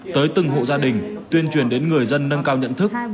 tới từng hộ gia đình tuyên truyền đến người dân nâng cao nhận thức